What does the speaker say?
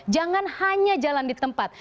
jangan hanya jalan di tempat